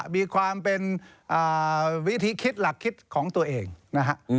มีความเป็นวิธีคิดหลักคิดของตัวเองนะฮะ